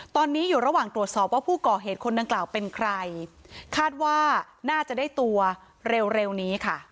ตอนนี้อยู่ระหว่างตรวจสอบว่าผู้ก่อเหตุคนดังกล่าวเป็นใครคาดว่าน่าจะได้ตัวเร็วเร็วนี้ค่ะ